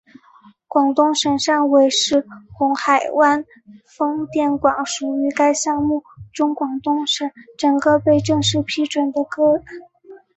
广东省汕尾市红海湾风电厂属于该项目中广东省首个被正式批准的个案。